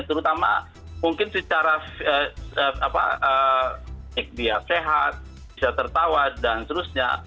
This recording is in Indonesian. terutama mungkin secara dia sehat bisa tertawa dan seterusnya